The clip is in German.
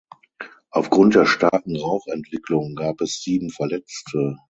Aufgrund der starken Rauchentwicklung gab es sieben Verletzte.